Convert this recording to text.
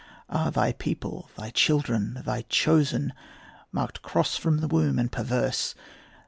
Ah thy people, thy children, thy chosen, Marked cross from the womb and perverse!